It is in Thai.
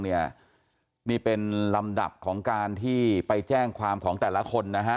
นี่นี่เป็นลำดับของการที่ไปแจ้งความของแต่ละคนนะฮะ